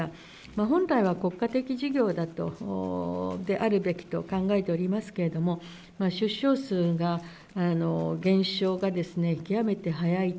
本来は国家的事業だと、であるべきと考えておりますけれども、出生数が、減少が極めて速いと。